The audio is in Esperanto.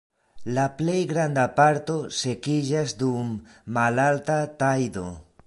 La plej granda parto sekiĝas dum malalta tajdo.